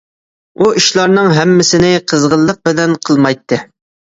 ئۇ ئىشلارنىڭ ھەممىسىنى قىزغىنلىق بىلەن قىلمايتتى.